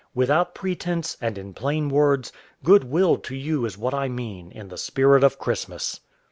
Without pretense, and in plain words, good will to you is what I mean, in the Spirit of Christmas."